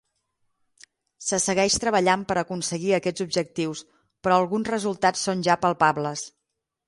Se segueix treballant per aconseguir aquests objectius però alguns resultats són ja palpables.